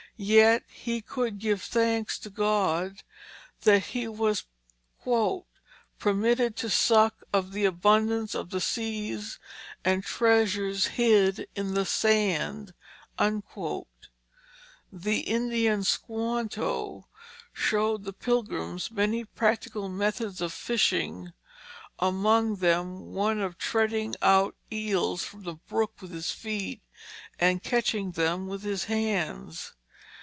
Yet he could give thanks to God that he was "permitted to suck of the abundance of the seas and the treasures hid in the sand." The Indian Squanto showed the Pilgrims many practical methods of fishing, among them one of treading out eels from the brook with his feet and catching them with his hands.